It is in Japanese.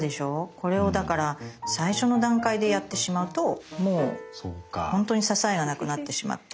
これをだから最初の段階でやってしまうともう本当に支えがなくなってしまって。